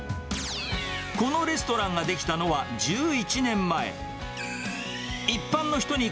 このレストランが出来たのは、１１年前。